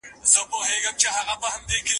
د ماشوم سر ټک وکړ.